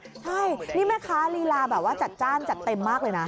ใช่นี่แม่ค้าลีลาแบบว่าจัดจ้านจัดเต็มมากเลยนะ